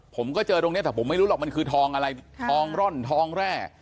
ผมก็เจอตรงนี้แต่ผมไม่รู้หรอกมันคือทองอะไรทองร่อนทองแร่